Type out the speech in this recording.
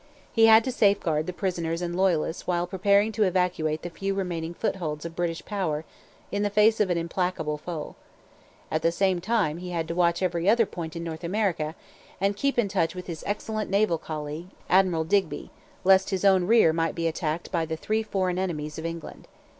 He had to safeguard the prisoners and Loyalists while preparing to evacuate the few remaining footholds of British power in the face of an implacable foe. At the same time he had to watch every other point in North America and keep in touch with his excellent naval colleague, Admiral Digby, lest his own rear might be attacked by the three foreign enemies of England.